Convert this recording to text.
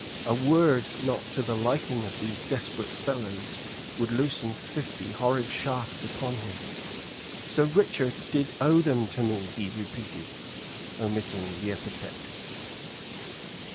A word not to the liking of these desperate fellows would loosen fifty horrid shafts upon him. "Sir Richard did owe them to me," he repeated, omitting the epithet.